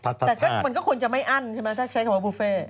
แต่มันก็ควรจะไม่อั้นใช่ไหมถ้าใช้คำว่าบุฟเฟ่